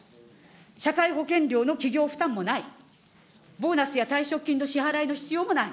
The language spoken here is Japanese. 社会保険料の企業負担もない、ボーナスや退職金の支払いの必要もない。